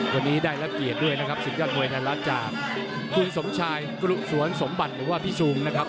วันนี้ได้รับเกียรติด้วยนะครับศึกยอดมวยไทยรัฐจากคุณสมชายกรุสวนสมบัติหรือว่าพี่ซูมนะครับ